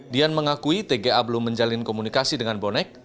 dian mengakui tga belum menjalin komunikasi dengan bonek